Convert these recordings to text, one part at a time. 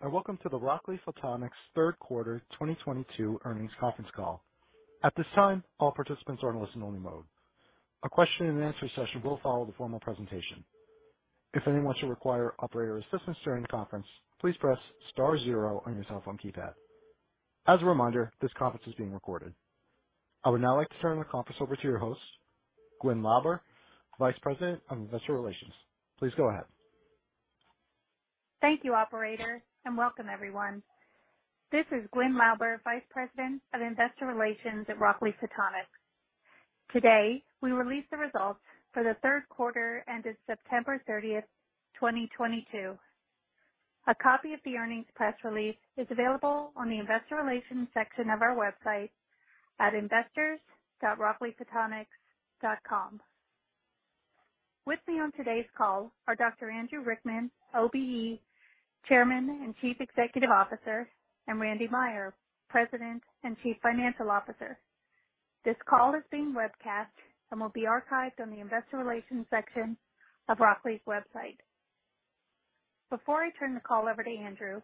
Welcome to the Rockley Photonics third quarter 2022 earnings conference call. At this time, all participants are in listen-only mode. A question and answer session will follow the formal presentation. If anyone should require operator assistance during the conference, please press star zero on your cell phone keypad. As a reminder, this conference is being recorded. I would now like to turn the conference over to your host, Gwyn Lauber, Vice President of Investor Relations. Please go ahead. Thank you operator, and welcome everyone. This is Gwyn Lauber, Vice President of Investor Relations at Rockley Photonics. Today, we release the results for the third quarter ended September 30, 2022. A copy of the earnings press release is available on the investor relations section of our website at investors.rockleyphotonics.com. With me on today's call are Dr. Andrew Rickman, OBE, Chairman and Chief Executive Officer, and Randy Meier, President and Chief Financial Officer. This call is being webcast and will be archived on the investor relations section of Rockley's website. Before I turn the call over to Andrew,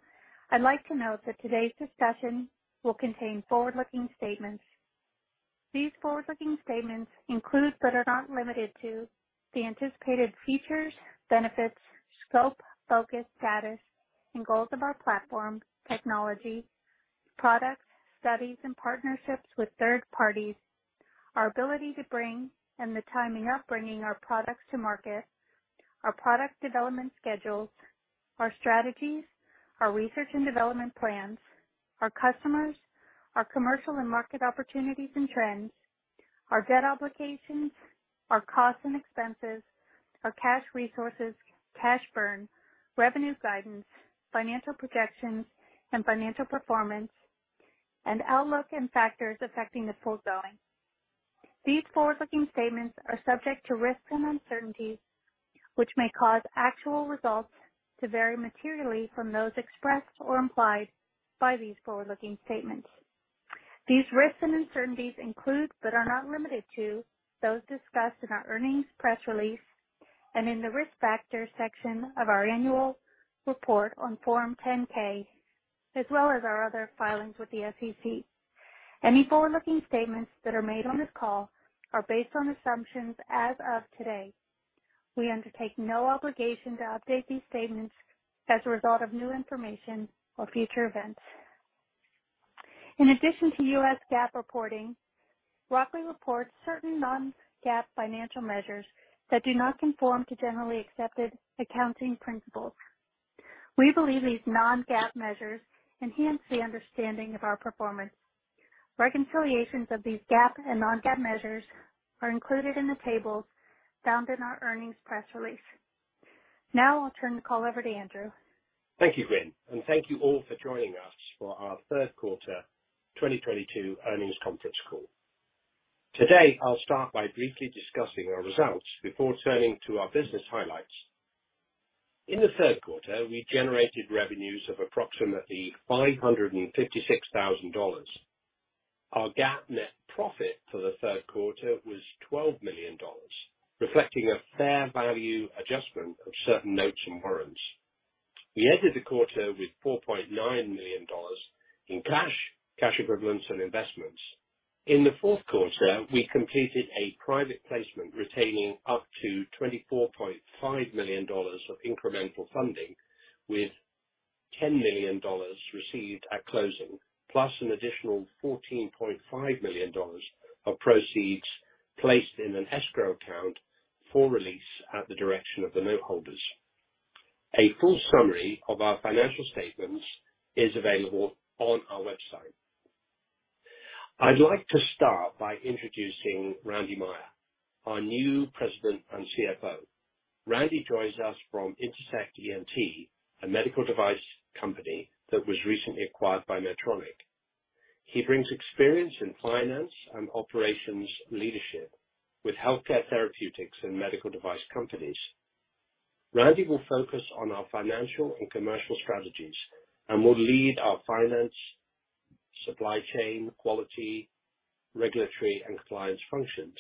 I'd like to note that today's discussion will contain forward-looking statements. These forward-looking statements include, but are not limited to, the anticipated features, benefits, scope, focus, status and goals of our platform, technology, products, studies and partnerships with third parties, our ability to bring and the timing of bringing our products to market, our product development schedules, our strategies, our research and development plans, our customers, our commercial and market opportunities and trends, our debt obligations, our costs and expenses, our cash resources, cash burn, revenue guidance, financial projections and financial performance, and outlook and factors affecting the foregoing. These forward-looking statements are subject to risks and uncertainties, which may cause actual results to vary materially from those expressed or implied by these forward-looking statements. These risks and uncertainties include, but are not limited to, those discussed in our earnings press release and in the Risk Factors section of our annual report on Form 10-K, as well as our other filings with the SEC. Any forward-looking statements that are made on this call are based on assumptions as of today. We undertake no obligation to update these statements as a result of new information or future events. In addition to U.S. GAAP reporting, Rockley reports certain non-GAAP financial measures that do not conform to generally accepted accounting principles. We believe these non-GAAP measures enhance the understanding of our performance. Reconciliations of these GAAP and non-GAAP measures are included in the tables found in our earnings press release. Now I'll turn the call over to Andrew. Thank you, Gwyn, and thank you all for joining us for our third quarter 2022 earnings conference call. Today, I'll start by briefly discussing our results before turning to our business highlights. In the third quarter, we generated revenues of approximately $556 thousand. Our GAAP net profit for the third quarter was $12 million, reflecting a fair value adjustment of certain notes and warrants. We ended the quarter with $4.9 million in cash equivalents and investments. In the fourth quarter, we completed a private placement, retaining up to $24.5 million of incremental funding, with $10 million received at closing, plus an additional $14.5 million of proceeds placed in an escrow account for release at the direction of the note holders. A full summary of our financial statements is available on our website. I'd like to start by introducing Randy Meier, our new President and CFO. Randy joins us from Intersect ENT, a medical device company that was recently acquired by Medtronic. He brings experience in finance and operations leadership with healthcare therapeutics and medical device companies. Randy will focus on our financial and commercial strategies and will lead our finance, supply chain, quality, regulatory and compliance functions.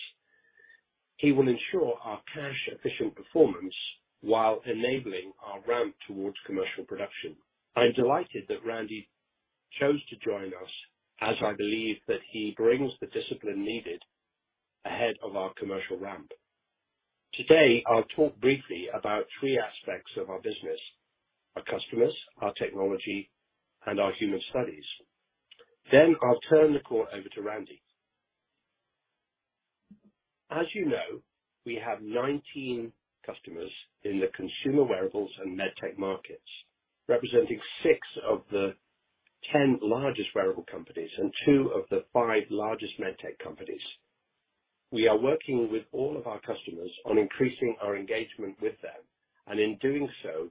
He will ensure our cash efficient performance while enabling our ramp towards commercial production. I'm delighted that Randy chose to join us, as I believe that he brings the discipline needed ahead of our commercial ramp. Today, I'll talk briefly about three aspects of our business, our customers, our technology, and our human studies. I'll turn the call over to Randy. As you know, we have 19 customers in the consumer wearables and MedTech markets, representing 6 of the 10 largest wearable companies and 2 of the 5 largest MedTech companies. We are working with all of our customers on increasing our engagement with them, and in doing so,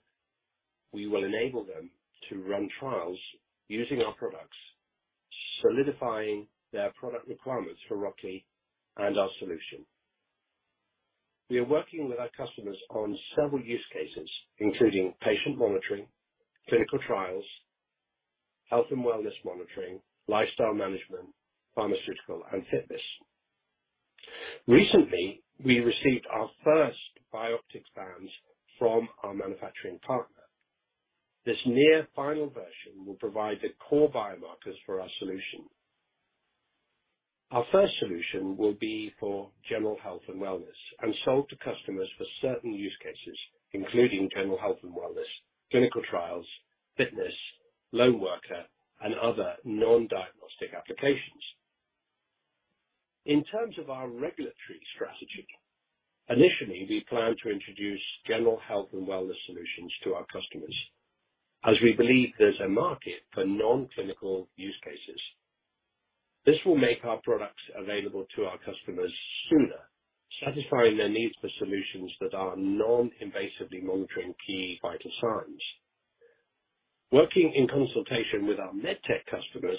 we will enable them to run trials using our products, solidifying their product requirements for Rockley and our solution. We are working with our customers on several use cases, including patient monitoring, clinical trials, health and wellness monitoring, lifestyle management, pharmaceutical and fitness. Recently, we received our first Bioptx bands from our manufacturing partner. This near final version will provide the core biomarkers for our solution. Our first solution will be for general health and wellness and sold to customers for certain use cases, including general health and wellness, clinical trials, fitness, lone worker, and other non-diagnostic applications. In terms of our regulatory strategy, initially, we plan to introduce general health and wellness solutions to our customers as we believe there's a market for non-clinical use cases. This will make our products available to our customers sooner, satisfying their needs for solutions that are non-invasively monitoring key vital signs. Working in consultation with our MedTech customers,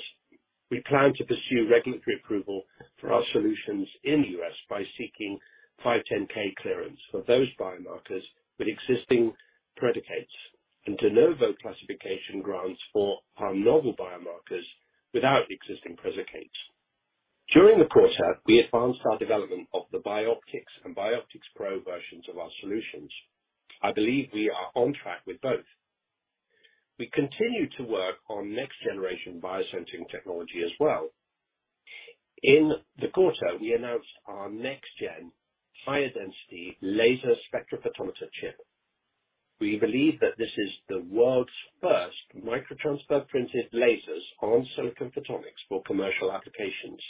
we plan to pursue regulatory approval for our solutions in the U.S. by seeking 510(k) clearance for those biomarkers with existing predicates and De Novo classification grants for our novel biomarkers without existing predicates. During the quarter, we advanced our development of the Bioptx and VitalSpex Pro versions of our solutions. I believe we are on track with both. We continue to work on next generation biosensing technology as well. In the quarter, we announced our next gen higher density laser spectrophotometer chip. We believe that this is the world's first micro-transfer-printed lasers on silicon photonics for commercial applications.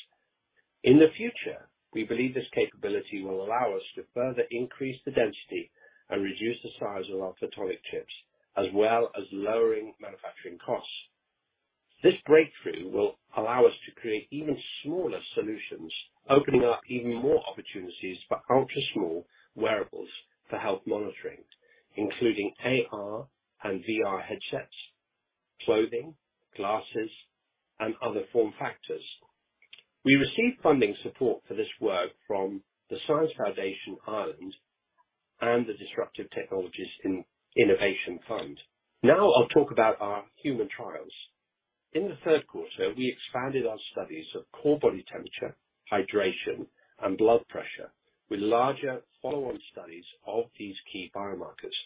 In the future, we believe this capability will allow us to further increase the density and reduce the size of our photonic chips, as well as lowering manufacturing costs. This breakthrough will allow us to create even smaller solutions, opening up even more opportunities for ultra-small wearables for health monitoring, including AR and VR headsets, clothing, glasses, and other form factors. We received funding support for this work from the Science Foundation Ireland and the Disruptive Technologies Innovation Fund. Now I'll talk about our human trials. In the third quarter, we expanded our studies of core body temperature, hydration, and blood pressure with larger follow-on studies of these key biomarkers.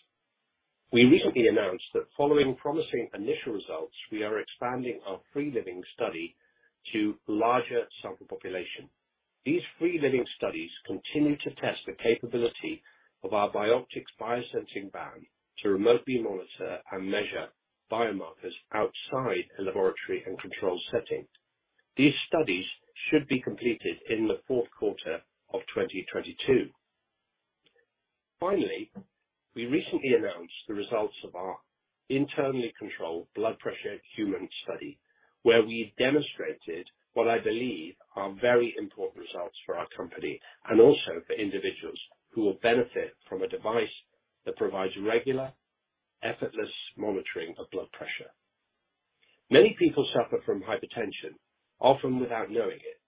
We recently announced that following promising initial results, we are expanding our free living study to larger sample population. These free living studies continue to test the capability of our Bioptx biosensing band to remotely monitor and measure biomarkers outside a laboratory and controlled setting. These studies should be completed in the fourth quarter of 2022. Finally, we recently announced the results of our internally controlled blood pressure human study, where we demonstrated what I believe are very important results for our company and also for individuals who will benefit from a device that provides regular, effortless monitoring of blood pressure. Many people suffer from hypertension, often without knowing it,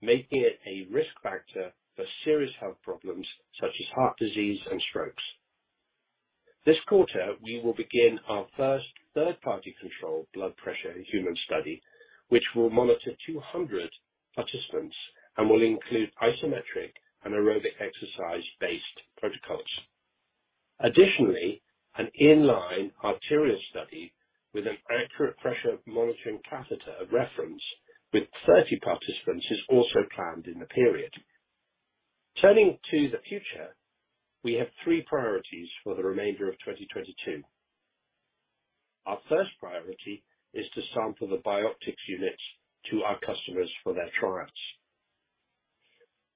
making it a risk factor for serious health problems such as heart disease and strokes. This quarter, we will begin our first third-party controlled blood pressure human study, which will monitor 200 participants and will include isometric and aerobic exercise-based protocols. Additionally, an in-line arterial study with an accurate pressure monitoring catheter of reference with 30 participants is also planned in the period. Turning to the future, we have three priorities for the remainder of 2022. Our first priority is to sample the Bioptx units to our customers for their trials.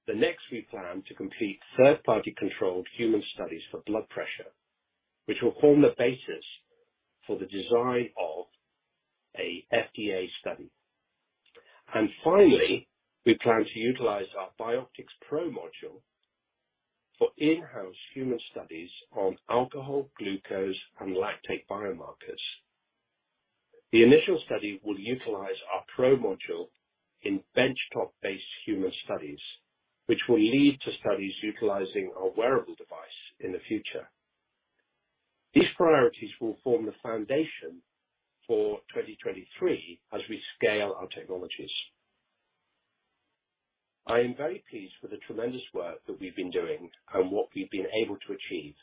The next, we plan to complete third-party controlled human studies for blood pressure, which will form the basis for the design of an FDA study. Finally, we plan to utilize our VitalSpex Pro module for in-house human studies on alcohol, glucose, and lactate biomarkers. The initial study will utilize our Pro module in bench-top-based human studies, which will lead to studies utilizing our wearable device in the future. These priorities will form the foundation for 2023 as we scale our technologies. I am very pleased with the tremendous work that we've been doing and what we've been able to achieve.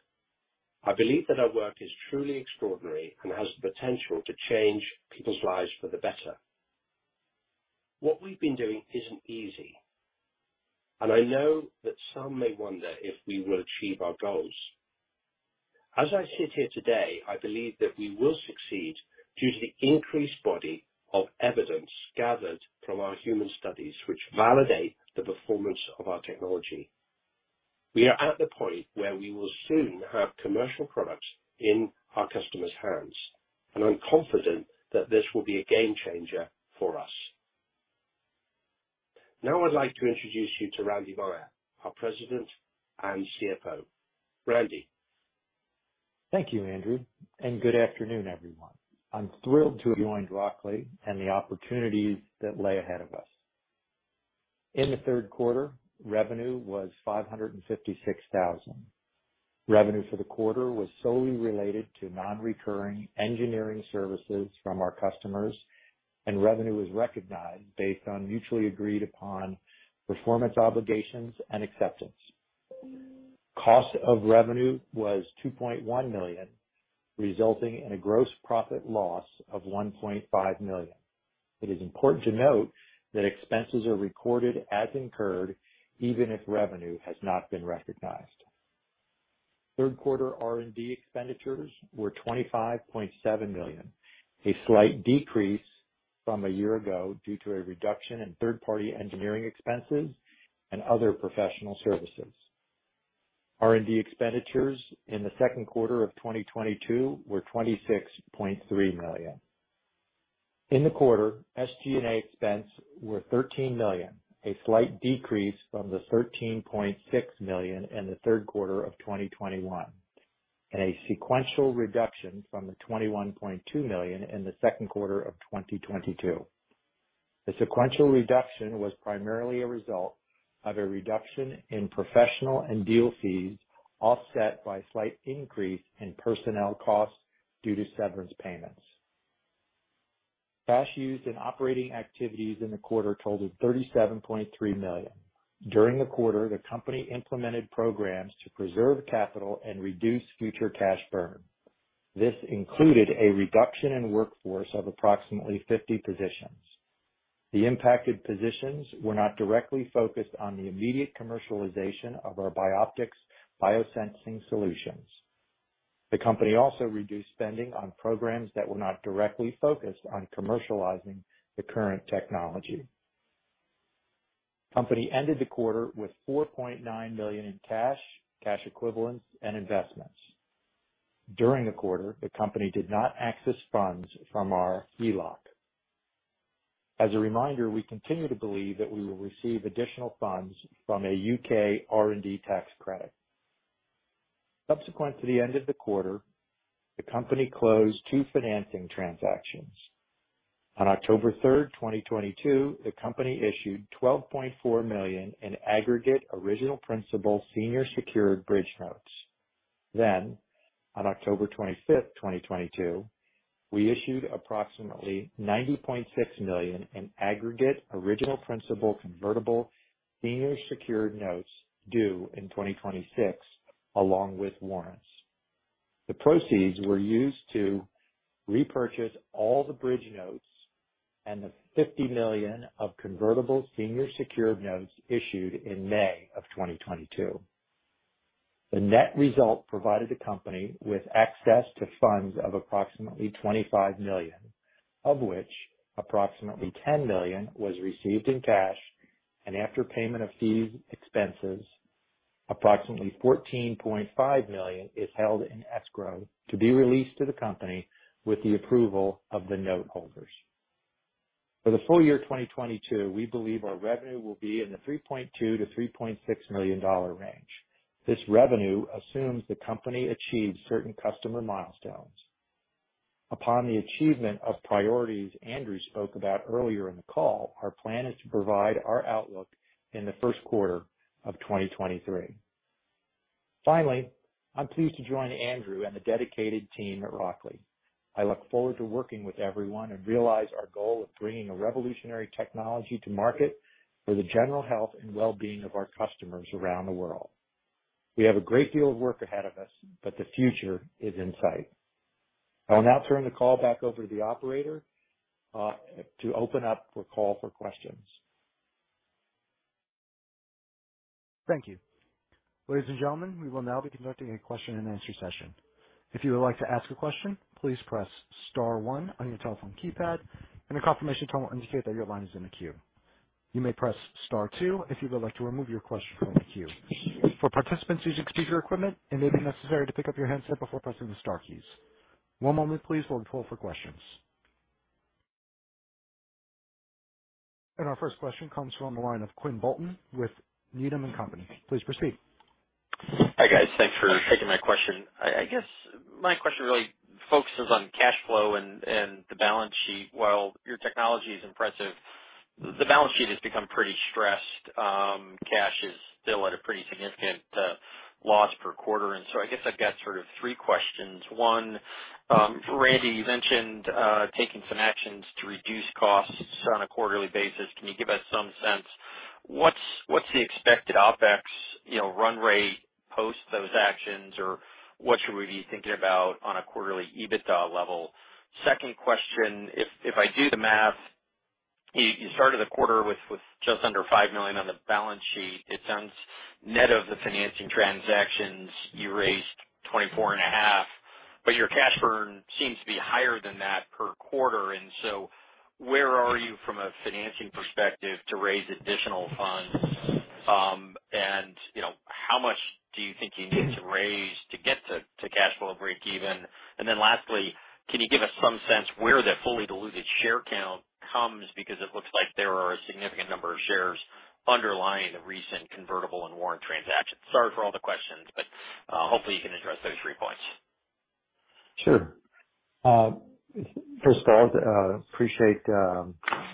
I believe that our work is truly extraordinary and has the potential to change people's lives for the better. What we've been doing isn't easy, and I know that some may wonder if we will achieve our goals. As I sit here today, I believe that we will succeed due to the increased body of evidence gathered from our human studies which validate the performance of our technology. We are at the point where we will soon have commercial products in our customers' hands, and I'm confident that this will be a game changer for us. Now I'd like to introduce you to Randy Meier, our President and CFO. Randy? Thank you, Andrew, and good afternoon, everyone. I'm thrilled to have joined Rockley and the opportunities that lay ahead of us. In the third quarter, revenue was $556,000. Revenue for the quarter was solely related to non-recurring engineering services from our customers, and revenue was recognized based on mutually agreed upon performance obligations and acceptance. Cost of revenue was $2.1 million, resulting in a gross profit loss of $1.5 million. It is important to note that expenses are recorded as incurred even if revenue has not been recognized. Third quarter R&D expenditures were $25.7 million, a slight decrease from a year ago due to a reduction in third-party engineering expenses and other professional services. R&D expenditures in the second quarter of 2022 were $26.3 million. In the quarter, SG&A expense were $13 million, a slight decrease from the $13.6 million in the third quarter of 2021, and a sequential reduction from the $21.2 million in the second quarter of 2022. The sequential reduction was primarily a result of a reduction in professional and deal fees, offset by slight increase in personnel costs due to severance payments. Cash used in operating activities in the quarter totaled $37.3 million. During the quarter, the company implemented programs to preserve capital and reduce future cash burn. This included a reduction in workforce of approximately 50 positions. The impacted positions were not directly focused on the immediate commercialization of our Bioptx biosensing solutions. The company also reduced spending on programs that were not directly focused on commercializing the current technology. company ended the quarter with $4.9 million in cash equivalents and investments. During the quarter, the company did not access funds from our ELOC. As a reminder, we continue to believe that we will receive additional funds from a U.K. R&D tax credit. Subsequent to the end of the quarter, the company closed two financing transactions. On October 3, 2022, the company issued $12.4 million in aggregate original principal senior secured bridge notes. On October 25, 2022, we issued approximately $90.6 million in aggregate original principal convertible senior secured notes due in 2026, along with warrants. The proceeds were used to repurchase all the bridge notes and the $50 million of convertible senior secured notes issued in May of 2022. The net result provided the company with access to funds of approximately $25 million, of which approximately $10 million was received in cash. After payment of fees, expenses, approximately $14.5 million is held in escrow to be released to the company with the approval of the noteholders. For the full year 2022, we believe our revenue will be in the $3.2-$3.6 million range. This revenue assumes the company achieves certain customer milestones. Upon the achievement of priorities Andrew spoke about earlier in the call, our plan is to provide our outlook in the first quarter of 2023. Finally, I'm pleased to join Andrew and the dedicated team at Rockley Photonics. I look forward to working with everyone and realize our goal of bringing a revolutionary technology to market for the general health and well-being of our customers around the world. We have a great deal of work ahead of us, but the future is in sight. I will now turn the call back over to the operator, to open up the call for questions. Thank you. Ladies and gentlemen, we will now be conducting a question and answer session. If you would like to ask a question, please press star one on your telephone keypad, and a confirmation tone will indicate that your line is in the queue. You may press star two if you would like to remove your question from the queue. For participants using speaker equipment, it may be necessary to pick up your handset before pressing the star keys. One moment please while we pull for questions. Our first question comes from the line of Quinn Bolton with Needham & Company. Please proceed. Hi, guys. Thanks for taking my question. I guess my question really focuses on cash flow and the balance sheet. While your technology is impressive, the balance sheet has become pretty stressed. Cash is still at a pretty significant loss per quarter. I guess I've got sort of three questions. One, Randy, you mentioned taking some actions to reduce costs on a quarterly basis. Can you give us some sense what's the expected OpEx, you know, run rate post those actions? Or what should we be thinking about on a quarterly EBITDA level? Second question, if I do the math, you started the quarter with just under $5 million on the balance sheet. It sounds net of the financing transactions, you raised $24.5 million, but your cash burn seems to be higher than that per quarter. Where are you from a financing perspective to raise additional funds? How much do you think you need to raise to get to cash flow breakeven? Lastly, can you give us some sense where the fully diluted share count comes? Because it looks like there are a significant number of shares underlying the recent convertible and warrant transactions. Sorry for all the questions, but hopefully you can address those three points. Sure. First of all, appreciate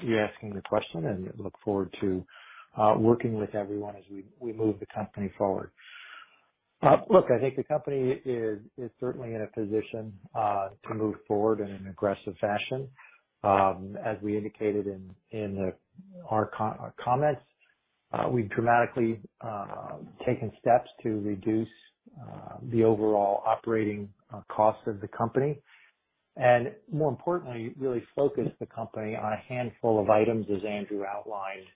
you asking the question and look forward to working with everyone as we move the company forward. Look, I think the company is certainly in a position to move forward in an aggressive fashion. As we indicated in our comments, we've dramatically taken steps to reduce the overall operating cost of the company, and more importantly, really focus the company on a handful of items, as Andrew outlined,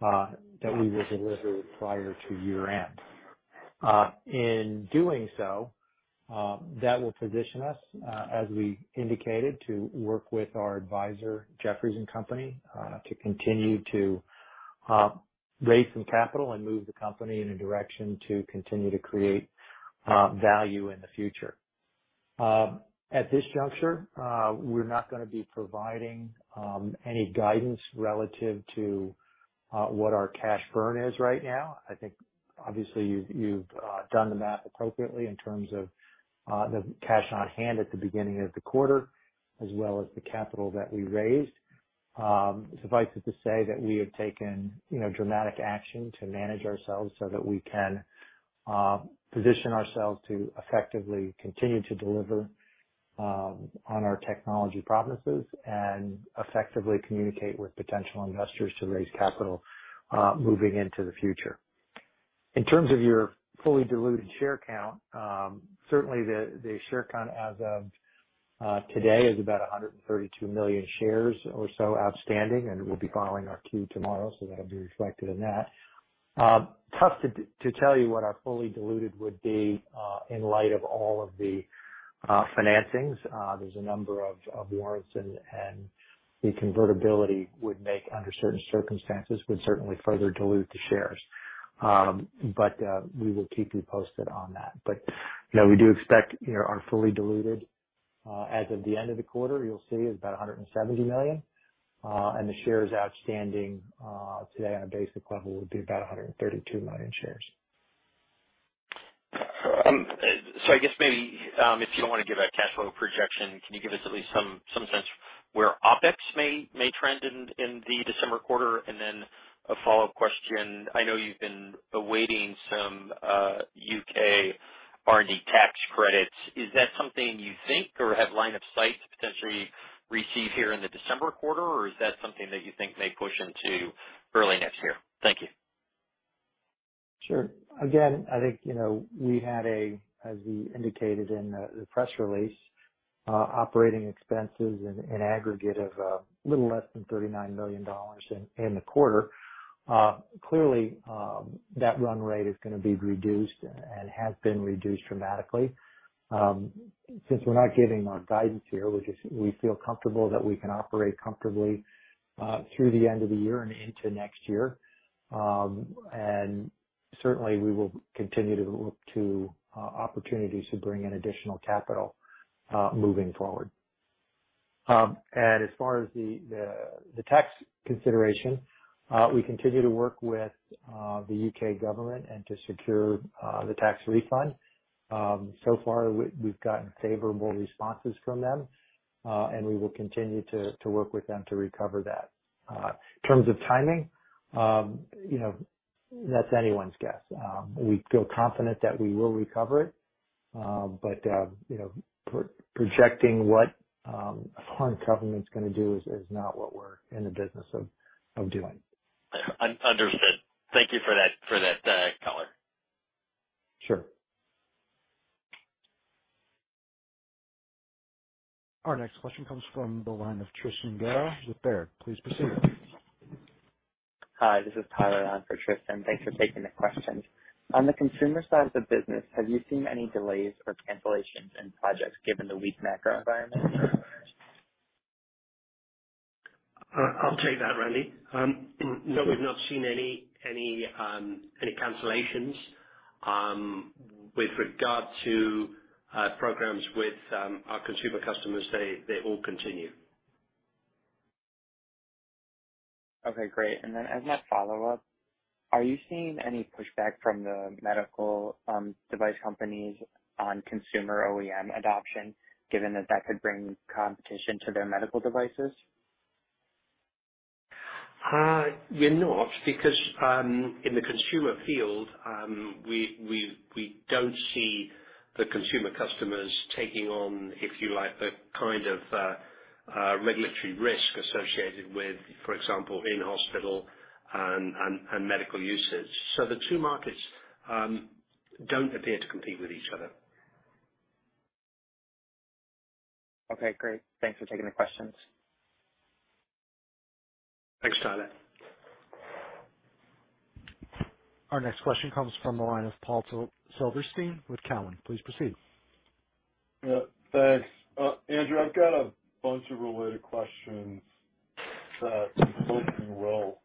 that we will deliver prior to year-end. In doing so, that will position us, as we indicated, to work with our advisor, Jefferies & Company, to continue to raise some capital and move the company in a direction to continue to create value in the future. At this juncture, we're not gonna be providing any guidance relative to what our cash burn is right now. I think obviously you've done the math appropriately in terms of the cash on hand at the beginning of the quarter as well as the capital that we raised. Suffice it to say that we have taken, you know, dramatic action to manage ourselves so that we can position ourselves to effectively continue to deliver on our technology promises and effectively communicate with potential investors to raise capital moving into the future. In terms of your fully diluted share count, certainly the share count as of today is about 132 million shares or so outstanding, and we'll be filing our Q tomorrow, so that'll be reflected in that. Tough to tell you what our fully diluted would be in light of all of the financings. There's a number of warrants and the convertibility would make under certain circumstances would certainly further dilute the shares. We will keep you posted on that. You know, we do expect, you know, our fully diluted as of the end of the quarter, you'll see is about 170 million. The shares outstanding today on a basic level would be about 132 million shares. So I guess maybe if you don't wanna give a cash flow projection, can you give us at least some sense where OpEx may trend in the December quarter? Then a follow-up question. I know you've been awaiting some UK R&D tax credits. Is that something you think or have line of sight to potentially receive here in the December quarter, or is that something you think may push into early next year? Thank you. Sure. Again, I think, you know, we had, as we indicated in the press release, operating expenses in aggregate of a little less than $39 million in the quarter. Clearly, that run rate is gonna be reduced and has been reduced dramatically. Since we're not giving our guidance here, we feel comfortable that we can operate comfortably through the end of the year and into next year. Certainly we will continue to look to opportunities to bring in additional capital moving forward. As far as the tax consideration, we continue to work with the U.K. government and to secure the tax refund. So far we've gotten favorable responses from them, and we will continue to work with them to recover that. In terms of timing, you know, that's anyone's guess. We feel confident that we will recover it. You know, projecting what a foreign government's gonna do is not what we're in the business of doing. Understood. Thank you for that, color. Sure. Our next question comes from the line of Tristan Gerra with Baird. Please proceed. Hi, this is Tyler on for Tristan. Thanks for taking the questions. On the consumer side of the business, have you seen any delays or cancellations in projects given the weak macro environment? I'll take that, Randy. No, we've not seen any cancellations. With regard to programs with our consumer customers, they all continue. Okay, great. As my follow-up, are you seeing any pushback from the medical device companies on consumer OEM adoption, given that that could bring competition to their medical devices? We're not because in the consumer field we don't see the consumer customers taking on, if you like, the kind of regulatory risk associated with, for example, in-hospital and medical uses. The two markets don't appear to compete with each other. Okay, great. Thanks for taking the questions. Thanks, Tyler. Our next question comes from the line of Paul Silverstein with Cowen. Please proceed. Yeah. Thanks. Andrew, I've got a bunch of related questions that hopefully will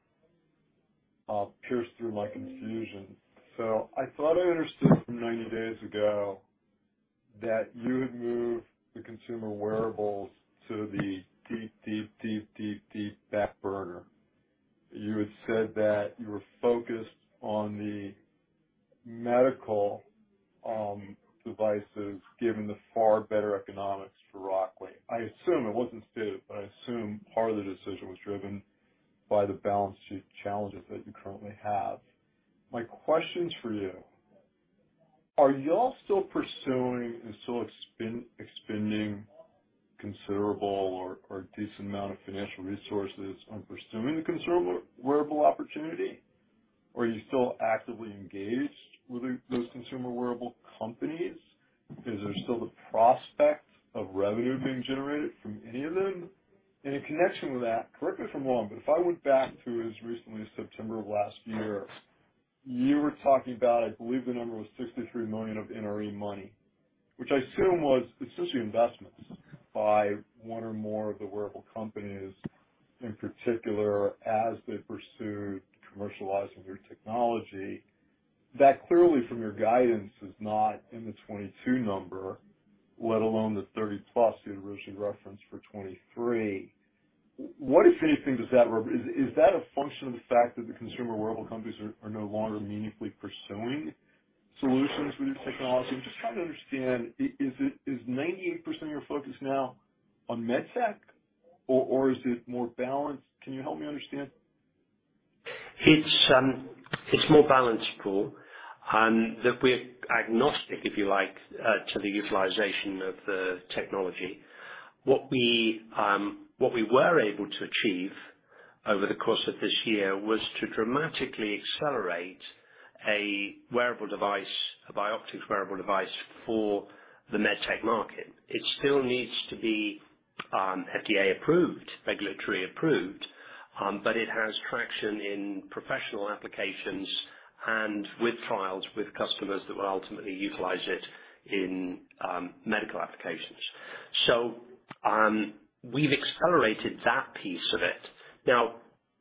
pierce through my confusion. I thought I understood from 90 days ago that you had moved the consumer wearables to the deep back burner. You had said that you were focused on the medical devices, given the far better economics for Rockley. I assume it wasn't stated, but I assume part of the decision was driven by the balance sheet challenges that you currently have. My questions for you are you all still pursuing and still expending considerable or a decent amount of financial resources on pursuing the consumer wearable opportunity? Are you still actively engaged with those consumer wearable companies? Is there still the prospect of revenue being generated from any of them? In connection with that, correct me if I'm wrong, but if I went back to as recently as September of last year, you were talking about, I believe, the number was $63 million of NRE money. Which I assume was essentially investments by one or more of the wearable companies, in particular, as they pursued commercializing their technology. That clearly from your guidance, is not in the 22 number, let alone the 30+ you'd originally referenced for 23. Is that a function of the fact that the consumer wearable companies are no longer meaningfully pursuing solutions for this technology? I'm just trying to understand, is 98% of your focus now on med tech or is it more balanced? Can you help me understand? It's more balanced, Paul. That we're agnostic, if you like, to the utilization of the technology. What we were able to achieve over the course of this year was to dramatically accelerate a wearable device, a Bioptx wearable device for the med tech market. It still needs to be FDA approved, regulatory approved, but it has traction in professional applications and with trials with customers that will ultimately utilize it in medical applications. We've accelerated that piece of it. Now,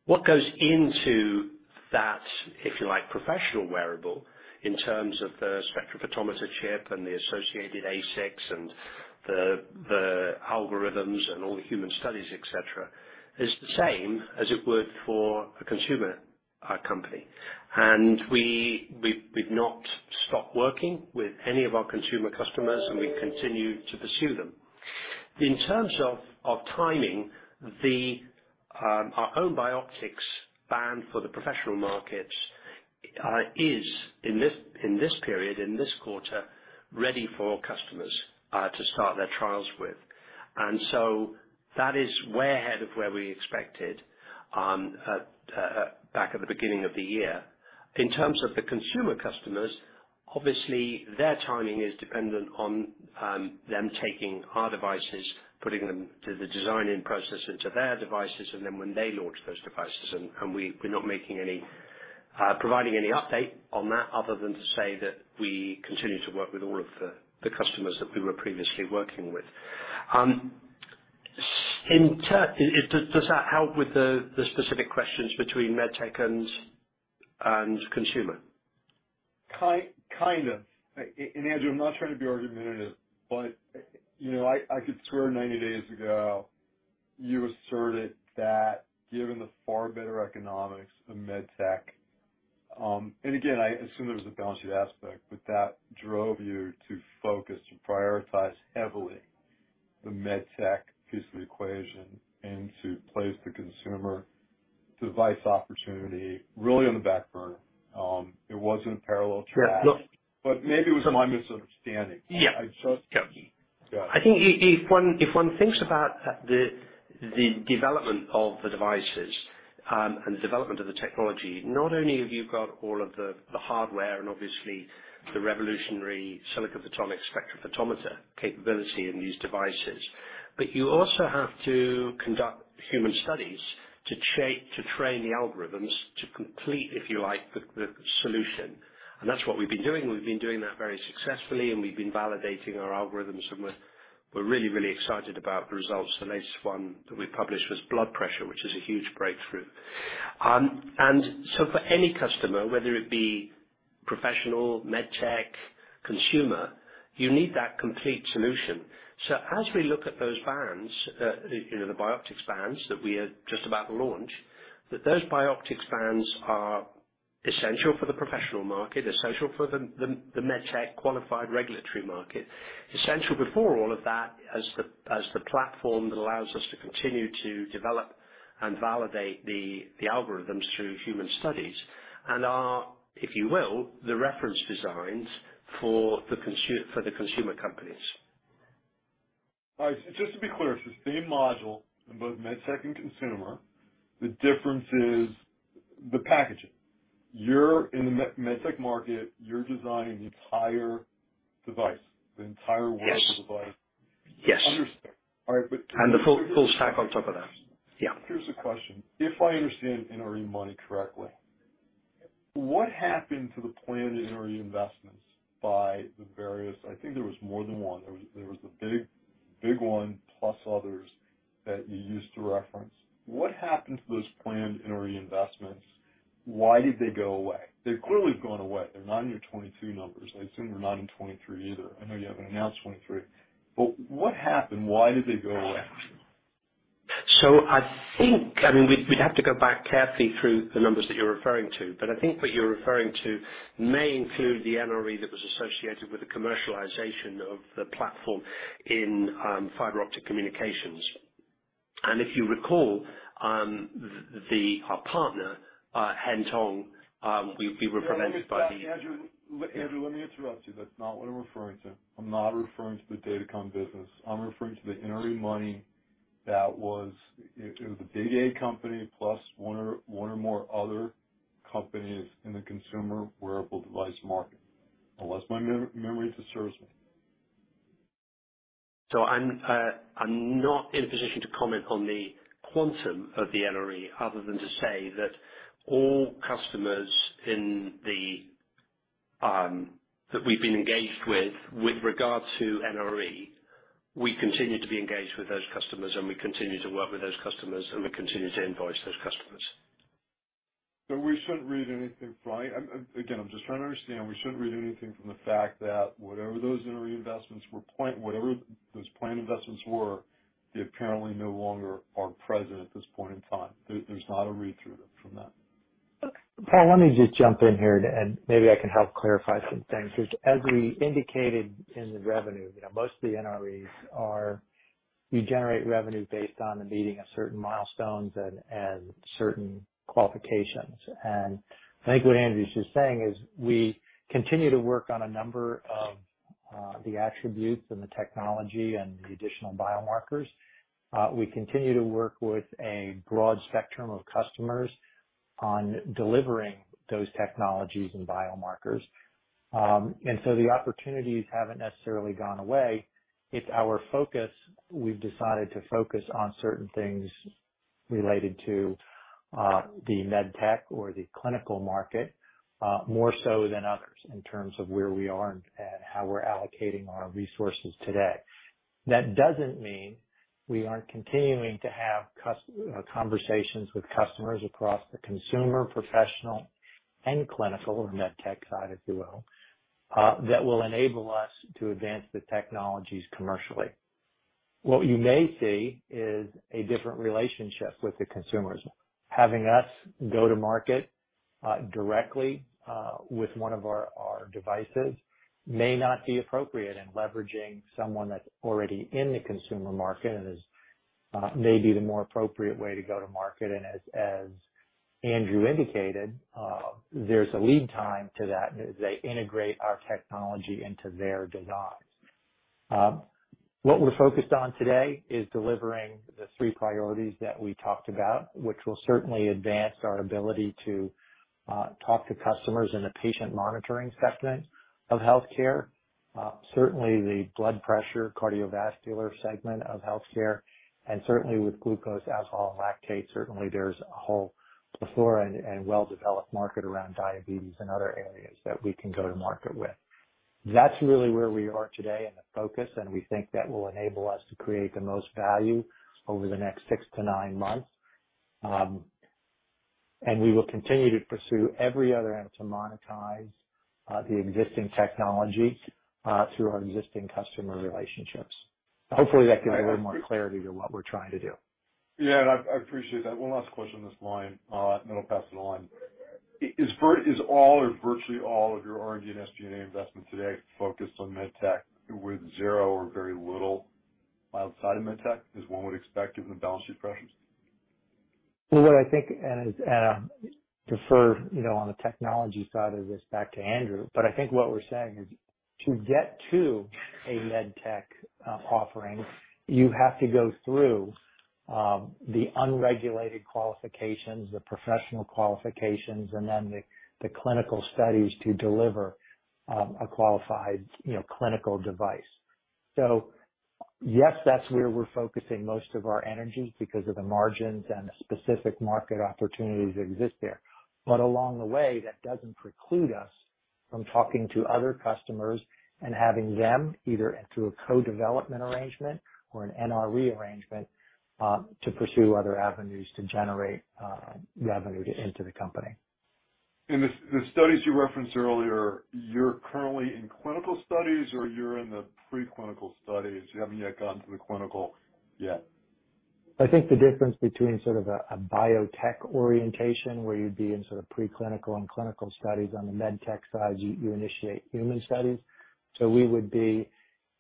what goes into that, if you like, professional wearable in terms of the spectrophotometer chip and the associated ASICs and the algorithms and all the human studies, et cetera, is the same as it would for a consumer company. We've not stopped working with any of our consumer customers, and we continue to pursue them. In terms of timing, our own Bioptx band for the professional market is in this quarter ready for customers to start their trials with. That is way ahead of where we expected back at the beginning of the year. In terms of the consumer customers, obviously their timing is dependent on them taking our devices, putting them to the designing process into their devices, and then when they launch those devices. We're not providing any update on that other than to say that we continue to work with all of the customers that we were previously working with. Does that help with the specific questions between med tech and consumer? Kind of. Andrew, I'm not trying to be argumentative, but, you know, I could swear 90 days ago you asserted that given the far better economics of med tech. Again, I assume there was a balance sheet aspect, but that drove you to focus, to prioritize heavily the med tech piece of the equation and to place the consumer device opportunity really on the back burner. It wasn't parallel track. Sure. Maybe it was my misunderstanding. Yeah. Go ahead. I think if one thinks about the development of the devices, and the development of the technology, not only have you got all of the hardware and obviously the revolutionary silicon photonics spectrophotometer capability in these devices. You also have to conduct human studies to train the algorithms to complete, if you like, the solution. That's what we've been doing. We've been doing that very successfully, and we've been validating our algorithms, and we're really excited about the results. The latest one that we published was blood pressure, which is a huge breakthrough. For any customer, whether it be professional, med tech, consumer, you need that complete solution. As we look at those bands, you know, the Bioptx bands that we are just about to launch. That those Bioptx bands are essential for the professional market, essential for the med tech qualified regulatory market. Essential before all of that as the platform that allows us to continue to develop and validate the algorithms through human studies, and are, if you will, the reference designs for the consumer companies. All right. Just to be clear, it's the same module in both med tech and consumer. The difference is the packaging. You're in the med tech market. You're designing the entire device, the entire wearable device. Yes. Yes. Understood. All right. The full stack on top of that. Yeah. Here's the question. If I understand NRE money correctly, what happened to the planned NRE investments by the various. I think there was more than one. There was the big one, plus others that you used to reference. What happened to those planned NRE investments? Why did they go away? They've clearly gone away. They're not in your 22 numbers. I assume they're not in 23 either. I know you haven't announced 23. What happened? Why did they go away? I think, I mean, we'd have to go back carefully through the numbers that you're referring to. I think what you're referring to may include the NRE that was associated with the commercialization of the platform in fiber-optic communications. If you recall, our partner, Hengtong, we were prevented by the- No, let me just, Andrew, let me interrupt you. That's not what I'm referring to. I'm not referring to the Datacom business. I'm referring to the NRE money that was, it was a day-to-day company plus one or more other companies in the consumer wearable device market, unless my memory disserves me. I'm not in a position to comment on the quantum of the NRE other than to say that all customers that we've been engaged with regard to NRE, we continue to be engaged with those customers, and we continue to work with those customers, and we continue to invoice those customers. Again, I'm just trying to understand. We shouldn't read anything from the fact that whatever those NRE investments were planned, they apparently no longer are present at this point in time. There's not a read-through from that. Paul, let me just jump in here, and maybe I can help clarify some things. As we indicated in the revenue, you know, most of the NREs are you generate revenue based on the meeting of certain milestones and certain qualifications. I think what Andrew's just saying is we continue to work on a number of the attributes and the technology and the additional biomarkers. We continue to work with a broad spectrum of customers on delivering those technologies and biomarkers. The opportunities haven't necessarily gone away. It's our focus. We've decided to focus on certain things related to the med tech or the clinical market more so than others in terms of where we are and how we're allocating our resources today. That doesn't mean we aren't continuing to have conversations with customers across the consumer, professional and clinical or med tech side, if you will, that will enable us to advance the technologies commercially. What you may see is a different relationship with the consumers. Having us go to market directly with one of our devices may not be appropriate, and leveraging someone that's already in the consumer market and is maybe the more appropriate way to go to market. As Andrew indicated, there's a lead time to that as they integrate our technology into their designs. What we're focused on today is delivering the three priorities that we talked about, which will certainly advance our ability to talk to customers in the patient monitoring segment of healthcare. Certainly the blood pressure cardiovascular segment of healthcare and certainly with glucose, alcohol and lactate, certainly there's a whole world and well-developed market around diabetes and other areas that we can go to market with. That's really where we are today and the focus, and we think that will enable us to create the most value over the next 6-9 months. We will continue to pursue every other end to monetize the existing technology through our existing customer relationships. Hopefully, that gives a little more clarity to what we're trying to do. Yeah, I appreciate that. One last question on this line, and then I'll pass it on. Is all or virtually all of your R&D and SG&A investments today focused on med tech with zero or very little outside of med tech, as one would expect given the balance sheet pressures? Well, what I think and I defer, you know, on the technology side of this back to Andrew. I think what we're saying is to get to a med tech offering, you have to go through the regulatory qualifications, the professional qualifications, and then the clinical studies to deliver a qualified, you know, clinical device. Yes, that's where we're focusing most of our energy because of the margins and the specific market opportunities that exist there. Along the way, that doesn't preclude us from talking to other customers and having them either through a co-development arrangement or an NRE arrangement to pursue other avenues to generate revenue into the company. In the studies you referenced earlier, you're currently in clinical studies or you're in the pre-clinical studies? You haven't yet gotten to the clinical yet? I think the difference between sort of a biotech orientation, where you'd be in sort of pre-clinical and clinical studies on the med tech side, you initiate human studies. We would be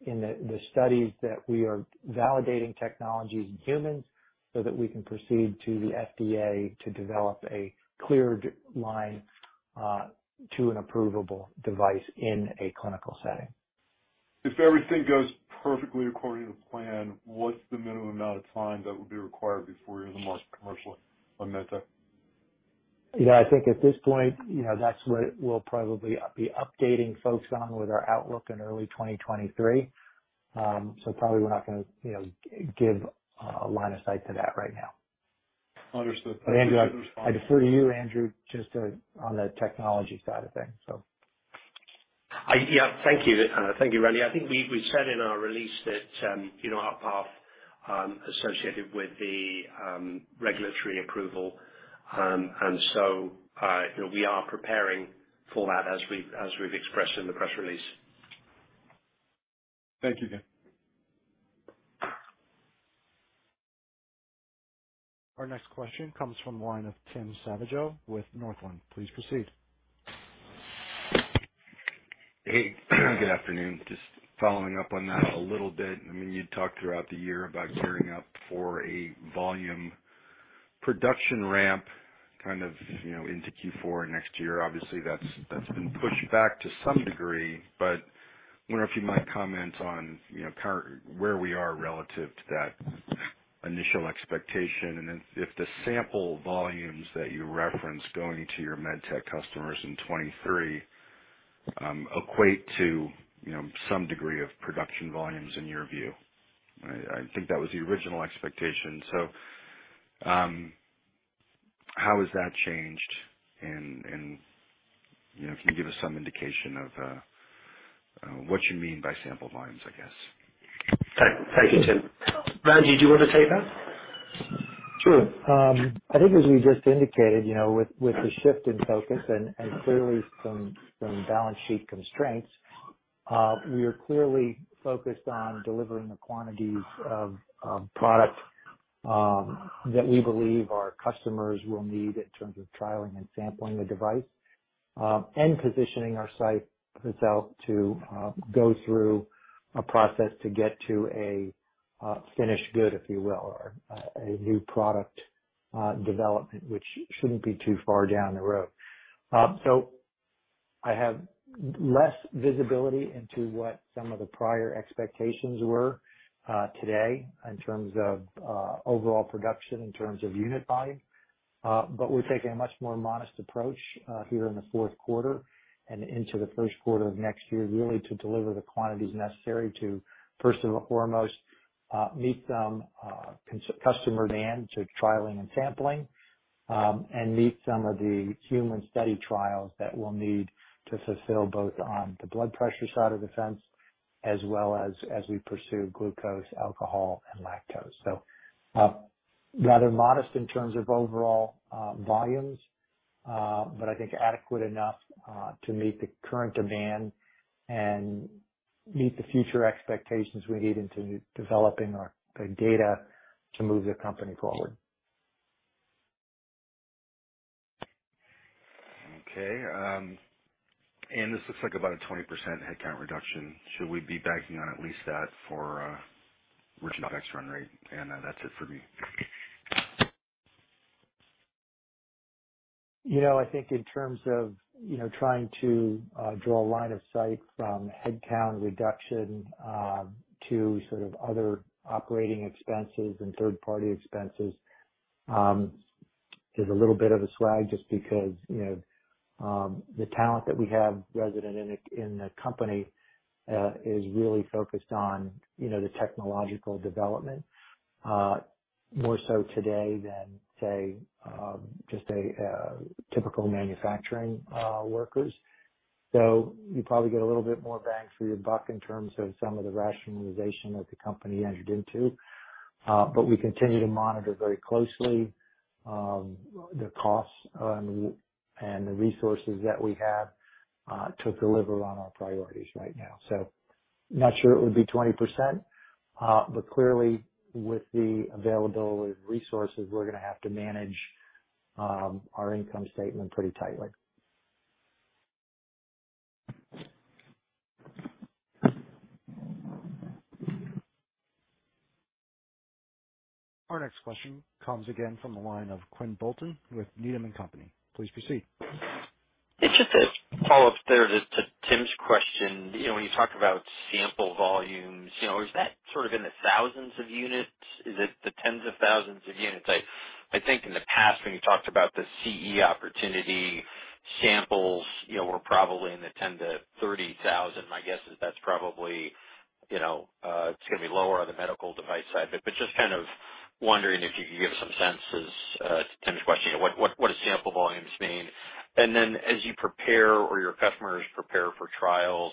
in the studies that we are validating technologies in humans so that we can proceed to the FDA to develop a cleared line to an approvable device in a clinical setting. If everything goes perfectly according to plan, what's the minimum amount of time that would be required before you're in the market commercially on med tech? Yeah, I think at this point, you know, that's what we'll probably be updating folks on with our outlook in early 2023. Probably we're not gonna, you know, give a line of sight to that right now. Understood. Andrew, I defer to you, Andrew, just to, on the technology side of things, so. Yeah. Thank you. Thank you, Randy. I think we said in our release that, you know, our path associated with the regulatory approval. You know, we are preparing for that as we've expressed in the press release. Thank you again. Our next question comes from the line of Tim Savageaux with Northland. Please proceed. Hey, good afternoon. Just following up on that a little bit. I mean, you talked throughout the year about gearing up for a volume production ramp, kind of, you know, into Q4 next year. Obviously, that's been pushed back to some degree. I wonder if you might comment on, you know, where we are relative to that initial expectation. Then if the sample volumes that you referenced going to your med tech customers in 2023 equate to, you know, some degree of production volumes in your view. I think that was the original expectation. How has that changed? You know, can you give us some indication of what you mean by sample volumes, I guess? Thank you, Tim. Randy, do you want to take that? Sure. I think as we just indicated, you know, with the shift in focus and clearly some balance sheet constraints, we are clearly focused on delivering the quantities of product that we believe our customers will need in terms of trialing and sampling the device. Positioning our site itself to go through a process to get to a finished good, if you will, or a new product development, which shouldn't be too far down the road. I have less visibility into what some of the prior expectations were today in terms of overall production, in terms of unit volume. We're taking a much more modest approach here in the fourth quarter and into the first quarter of next year, really to deliver the quantities necessary to, first and foremost, meet some customer demand to trialing and sampling. And meet some of the human study trials that we'll need to fulfill, both on the blood pressure side of the fence as well as we pursue glucose, alcohol, and lactate. Rather modest in terms of overall volumes. I think adequate enough to meet the current demand and meet the future expectations we need into developing our the data to move the company forward. Okay. This looks like about a 20% headcount reduction. Should we be banking on at least that for original CapEx run rate? That's it for me. You know, I think in terms of you know trying to draw a line of sight from headcount reduction to sort of other operating expenses and third-party expenses is a little bit of a swag, just because you know the talent that we have resident in the company is really focused on you know the technological development more so today than say just a typical manufacturing workers. You probably get a little bit more bang for your buck in terms of some of the rationalization that the company entered into. We continue to monitor very closely the costs and the resources that we have to deliver on our priorities right now. Not sure it would be 20%. Clearly with the availability of resources, we're gonna have to manage our income statement pretty tightly. Our next question comes again from the line of Quinn Bolton with Needham & Company. Please proceed. It's just a follow-up there to Tim's question. You know, when you talk about sample volumes, you know, is that sort of in the thousands of units? Is it the tens of thousands of units? I think in the past when you talked about the CE opportunity samples, you know, were probably in the 10,000-30,000. My guess is that's probably, you know, it's gonna be lower on the medical device side. But just kind of wondering if you could give some sense to Tim's question, what does sample volumes mean? And then as you prepare or your customers prepare for trials,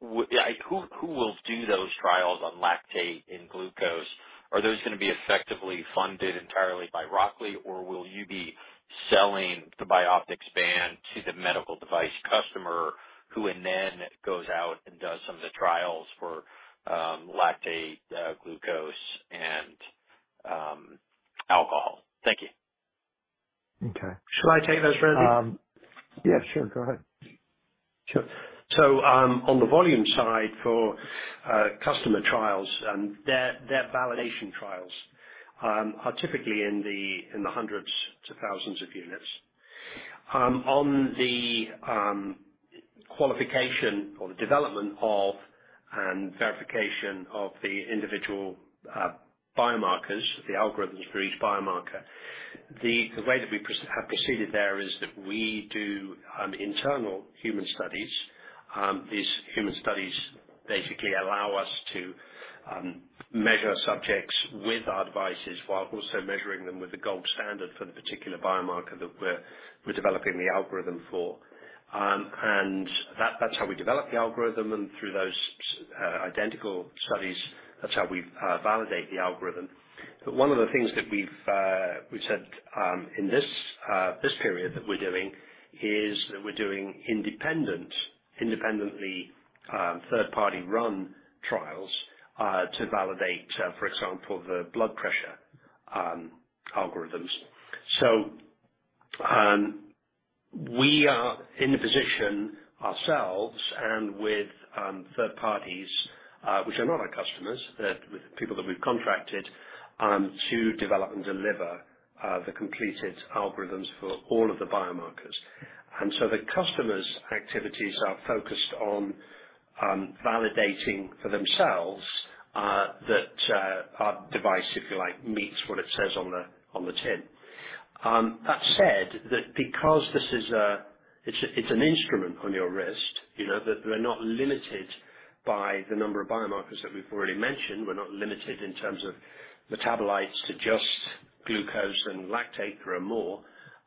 who will do those trials on lactate and glucose? Are those gonna be effectively funded entirely by Rockley, or will you be selling the Bioptx band to the medical device customer who then goes out and does some of the trials for lactate, glucose and alcohol? Thank you. Okay. Should I take those, Randy? Yeah, sure. Go ahead. Sure. On the volume side for customer trials and their validation trials are typically in the hundreds to thousands of units. On the qualification or the development of and verification of the individual biomarkers, the algorithms for each biomarker. The way that we have proceeded there is that we do internal human studies. These human studies basically allow us to measure subjects with our devices while also measuring them with the gold standard for the particular biomarker that we're developing the algorithm for. That's how we develop the algorithm. Through those identical studies, that's how we validate the algorithm. One of the things that we've said in this period that we're doing is that we're doing independently third-party run trials to validate, for example, the blood pressure algorithms. We are in a position ourselves and with third parties which are not our customers, they're with people that we've contracted to develop and deliver the completed algorithms for all of the biomarkers. The customers' activities are focused on validating for themselves that our device, if you like, meets what it says on the tin. That said, because this is an instrument on your wrist, you know, that we're not limited by the number of biomarkers that we've already mentioned. We're not limited in terms of metabolites to just glucose and lactate. There are more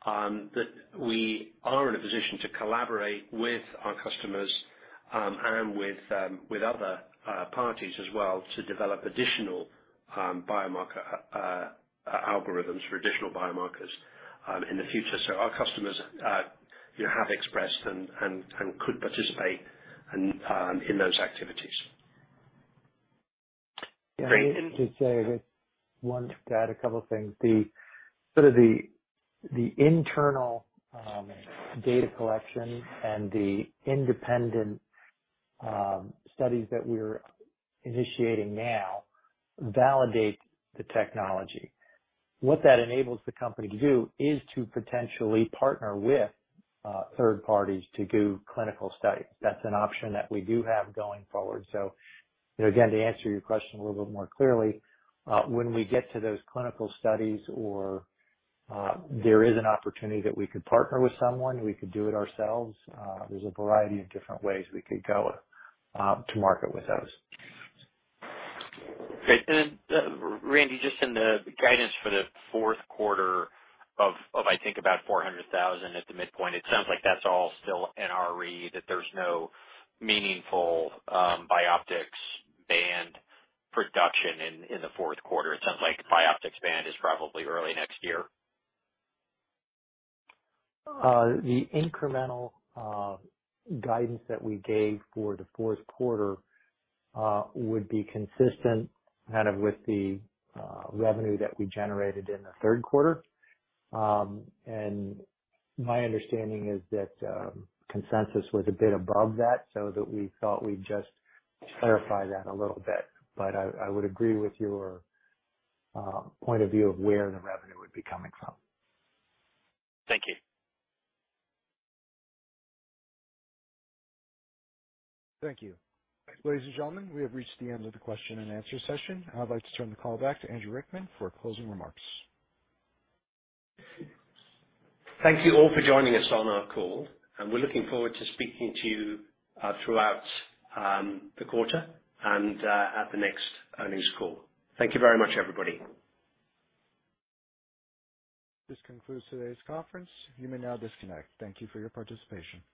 that we are in a position to collaborate with our customers and with other parties as well, to develop additional biomarker algorithms for additional biomarkers in the future. Our customers, you know, have expressed and could participate in those activities. I want to add a couple of things. The sort of internal data collection and the independent studies that we're initiating now validate the technology. What that enables the company to do is to potentially partner with third parties to do clinical studies. That's an option that we do have going forward. You know, again, to answer your question a little bit more clearly, when we get to those clinical studies or there is an opportunity that we could partner with someone, we could do it ourselves. There's a variety of different ways we could go to market with those. Great. Randy, just in the guidance for the fourth quarter, I think about $400,000 at the midpoint, it sounds like that's all still NRE, that there's no meaningful Bioptx band production in the fourth quarter. It sounds like Bioptx band is probably early next year. The incremental guidance that we gave for the fourth quarter would be consistent kind of with the revenue that we generated in the third quarter. My understanding is that consensus was a bit above that, so that we thought we'd just clarify that a little bit. I would agree with your point of view of where the revenue would be coming from. Thank you. Thank you. Ladies and gentlemen, we have reached the end of the question and answer session. I'd like to turn the call back to Andrew Rickman for closing remarks. Thank you all for joining us on our call, and we're looking forward to speaking to you throughout the quarter and at the next earnings call. Thank you very much, everybody. This concludes today's conference. You may now disconnect. Thank you for your participation.